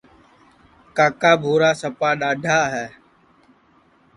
کاکا بھورا سپا ڈؔاڈھا ہے